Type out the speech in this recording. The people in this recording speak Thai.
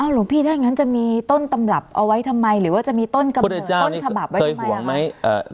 อ้าวหลวงพี่ถ้างั้นจะมีต้นตำหลับเอาไว้ทำไมหรือว่าจะมีต้นกำต้นฉบับไว้ทำไมอ่ะพุทธเจ้านี่เคยห่วงไหมอ่า